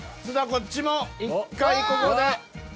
こっちも１回ここで。